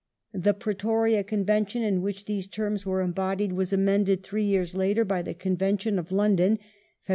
The Pi etoria Convention, in which these terms were embodied, was amended three years later by the Convention of London (Feb.